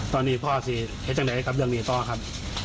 ตอนนี้พ่อแท้จังหน่อยกับเรื่องนี้ต่อครับ